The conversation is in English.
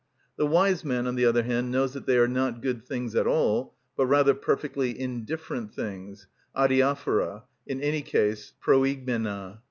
The wise man, on the other hand, knows that they are not good things at all, but rather perfectly indifferent things, αδιαφορα, in any case προηγμενα.